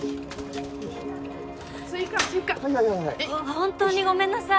本当にごめんなさい。